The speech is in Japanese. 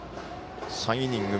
３イニング